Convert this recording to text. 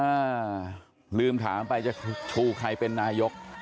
อ่าลืมถามไปจะชูใครเป็นนายก